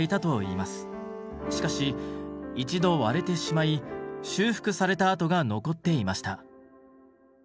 しかし一度割れてしまい修復された跡が残っていました。